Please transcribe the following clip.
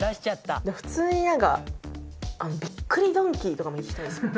普通になんかびっくりドンキーとかも行きたいですね。